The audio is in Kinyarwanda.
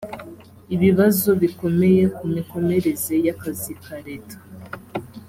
ibibazo bikomeye ku mikomereze y akazi ka leta